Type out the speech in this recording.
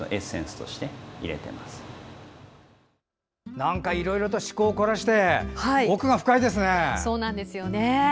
なんかいろいろと趣向を凝らして奥が深いですね。